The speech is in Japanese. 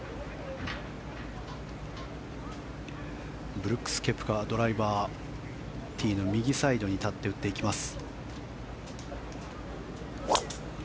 ブルックス・ケプカドライバーティーの右サイドに立って打っていきます。